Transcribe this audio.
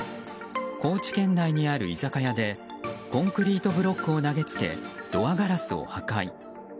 高知県内にある居酒屋でコンクリートブロックを投げつけドアガラスを破壊。